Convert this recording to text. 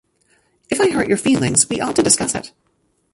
If I hurt your feelings we ought to discuss it.